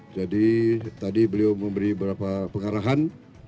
jadi tadi beliau memberi beberapa pengarahan